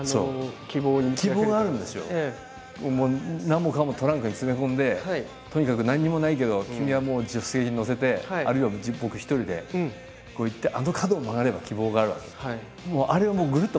何もかもトランクに詰め込んでとにかく何にもないけど君はもう助手席に乗せてあるいは僕一人でここを行ってあの角を曲がれば希望があるわけ。